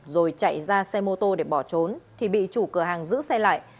rồi chạy ra xe mô tô để bỏ trốn thì bị chủ cửa hàng giữ xe lại